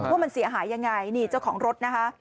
ว่ามันเสียหายยังไงนี่เจ้าของรถนะคะ